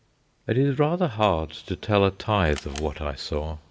It is rather hard to tell a tithe of what I saw.